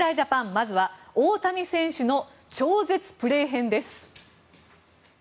まずは大谷選手の超絶プレー編です。